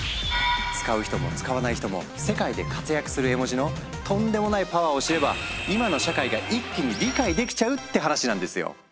使う人も使わない人も世界で活躍する絵文字のとんでもないパワーを知れば今の社会が一気に理解できちゃうって話なんですよ！